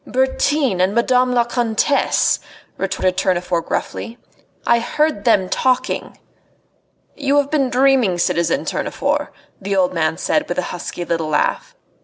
"Bertin and Madame la Comtesse," retorted Tournefort gruffly. "I heard them talking." "You have been dreaming, citizen Tournefort," the old man said, with a husky little laugh.